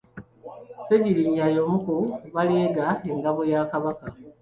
Ssegiriinya y'omu ku baleega engabo ya Kabaka.